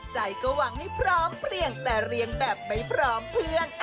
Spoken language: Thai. ใจก็หวังให้พร้อมเปลี่ยนแต่เรียงแบบไม่พร้อมเพื่อน